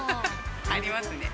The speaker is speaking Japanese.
ありますね。